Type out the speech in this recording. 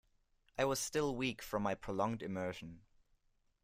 I was still weak from my prolonged immersion.